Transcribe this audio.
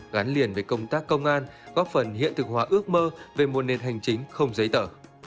gắn liền với công tác công an góp phần hiện thực hóa ước mơ về một nền hành chính không giấy tờ